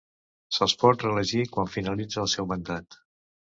Se'ls pot reelegir quan finalitza el seu mandat.